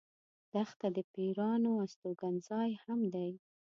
دښته د پېرانو استوګن ځای هم دی.